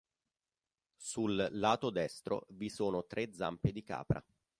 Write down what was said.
Sul lato destro vi sono tre zampe di capra.